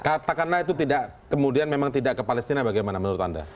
katakanlah itu tidak kemudian memang tidak ke palestina bagaimana menurut anda